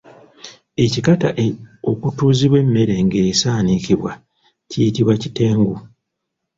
Ekikata okutuuzibwa emmere ng’esaanikibwa kiyitibwa kitengu.